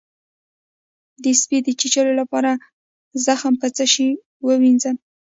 د سپي د چیچلو لپاره زخم په څه شی ووینځم؟